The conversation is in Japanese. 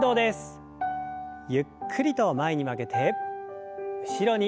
ゆっくりと前に曲げて後ろに。